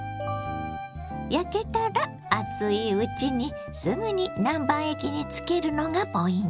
焼けたら熱いうちにすぐに南蛮液につけるのがポイント。